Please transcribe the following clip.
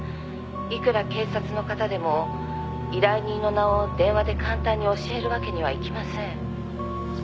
いくら警察の方でも依頼人の名を電話で簡単に教えるわけにはいきません」